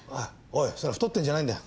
おいそれは太ってるんじゃないんだよ。